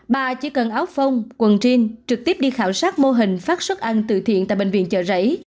bà chỉ cần áo phong quần gn trực tiếp đi khảo sát mô hình phát xuất ăn từ thiện tại bệnh viện chợ rẫy